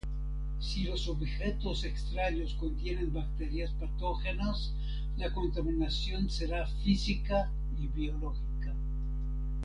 Si los objetos extraños contienen bacterias patógenas, la contaminación será física y biológica.